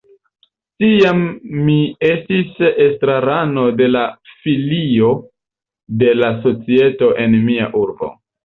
Tiam mi estis estrarano de la filio de la societo en mia urbo.